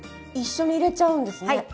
一緒に入れちゃうんですね。